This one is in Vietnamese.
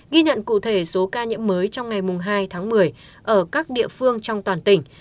ghi nhận cụ thể số ca nhiễm mới trong ngày hai tháng một mươi ở các địa phương trong toàn tỉnh